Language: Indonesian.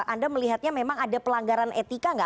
anda melihatnya memang ada pelanggaran etika nggak